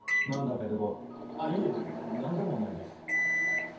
ペテ公いえ何でもないです